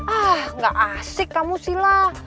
ah gak asik kamu sila